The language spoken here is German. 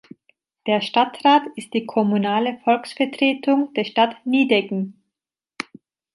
Der Stadtrat ist die kommunale Volksvertretung der Stadt Nideggen.